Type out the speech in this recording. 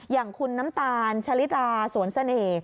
อย่างคุณน้ำตาลชะลิตาสวนเสน่ห์